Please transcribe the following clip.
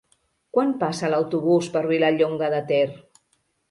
Quan passa l'autobús per Vilallonga de Ter?